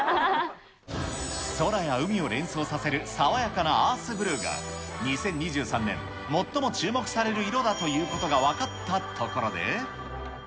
空や海を連想させる爽やかなアースブルーが、２０２３年、最も注目される色だということが分かったところで。